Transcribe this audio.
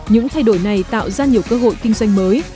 những thay đổi này tạo ra nhiều cơ hội kinh doanh mới